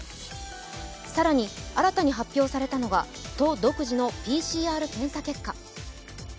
更に、新たに発表されたのは都独自のＰＣＲ検査結果。